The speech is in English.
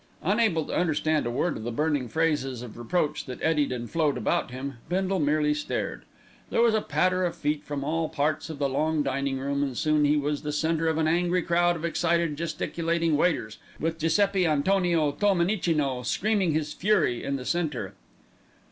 Unable to understand a word of the burning phrases of reproach that eddied and flowed about him, Bindle merely stared. There was a patter of feet from all parts of the long dining room, and soon he was the centre of an angry crowd of excited gesticulating waiters, with Giuseppi Antonio Tolmenicino screaming his fury in the centre.